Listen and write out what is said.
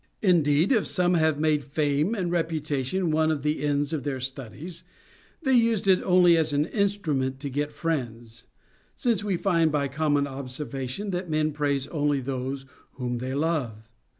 If indeed some have made fame and reputation one of the ends of their studies, they used it only as an instrument to get friends ; since we find by common observation that WITH GREAT MEN. Ο 73 men praise only those whom they love.